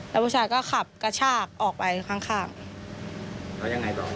แล้วผู้ชายก็ขับกระชากออกไปข้างข้างแล้วยังไงต่อ